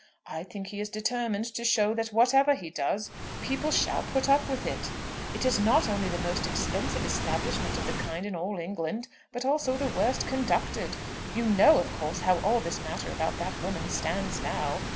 I think he is determined to show that whatever he does, people shall put up with it. It is not only the most expensive establishment of the kind in all England, but also the worst conducted. You know, of course, how all this matter about that woman stands now.